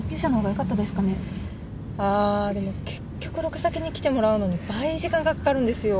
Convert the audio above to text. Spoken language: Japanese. あでも結局ロケ先に来てもらうのに倍時間がかかるんですよ。